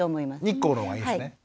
日光のほうがいいんですね。